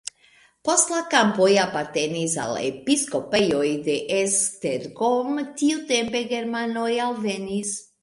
Poste la kampoj apartenis al episkopejo de Esztergom, tiutempe germanoj alvenis.